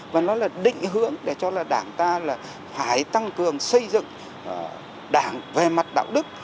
và nó là định hướng để cho là đảng ta là phải tăng cường xây dựng đảng về mặt đạo đức